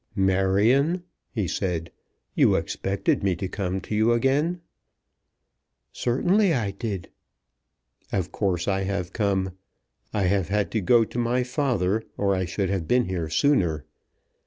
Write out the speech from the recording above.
"Marion," he said, "you expected me to come to you again?" "Certainly I did." "Of course I have come. I have had to go to my father, or I should have been here sooner.